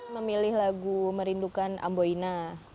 memilih lagu merindukan amboina